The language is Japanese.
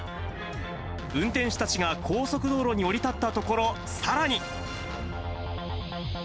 運転手たちが高速道路に降り立ったところ、さらに。